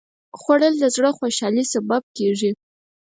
خوړل د زړه خوشالي سبب کېږي